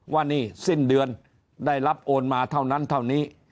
ว่านี่สิ้นเดือนได้รับโอนมาเท่านั้นเท่านี้